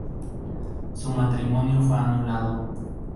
Su matrimonio fue anulado.